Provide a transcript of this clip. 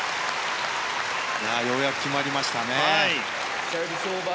ようやく決まりましたね。